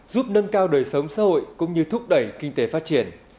giúp nâng cao đời sống xã hội cũng như thúc đẩy kinh tế phát triển